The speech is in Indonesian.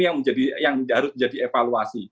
yang harus menjadi evaluasi